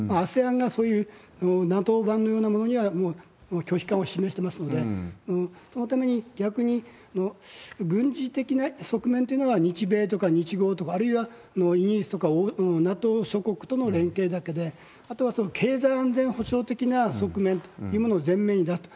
ＡＳＥＡＮがそういうＮＡＴＯ版のようなものにはもう拒否感を示してますので、そのために、逆に軍事的な側面というのが、日米とか日豪とか、あるいはイギリスとかＮＡＴＯ諸国との連携だけで、あとはその経済安全保障的な側面というものを前面に出すと。